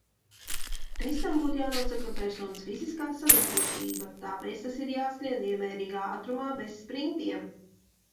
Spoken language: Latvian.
Testam būtu jānosaka personas fiziskā sagatavotība, tāpēc tas ir jāskrien vienmērīgā ātrumā bez sprintiem.